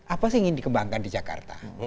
apa sih yang ingin dikembangkan di jakarta